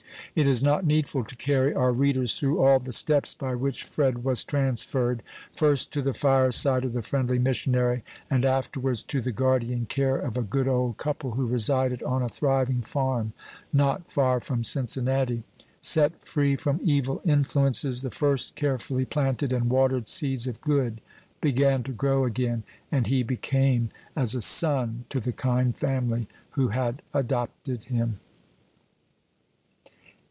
It is not needful to carry our readers through all the steps by which Fred was transferred, first to the fireside of the friendly missionary, and afterwards to the guardian care of a good old couple who resided on a thriving farm not far from Cincinnati. Set free from evil influences, the first carefully planted and watered seeds of good began to grow again, and he became as a son to the kind family who had adopted him.